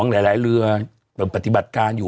พัดไปเรือปฏิบัติการอยู่